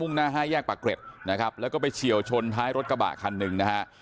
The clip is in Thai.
หน้าห้าแยกปากเกร็ดนะครับแล้วก็ไปเฉียวชนท้ายรถกระบะคันหนึ่งนะฮะ